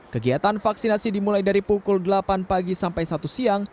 kegiatan vaksinasi dimulai dari pukul delapan pagi sampai satu siang